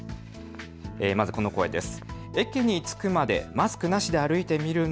まず、この声です。